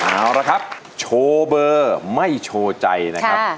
เอาละครับโชว์เบอร์ไม่โชว์ใจนะครับ